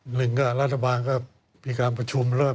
หนึ่งก็รัฐบาลก็มีการประชุมแล้ว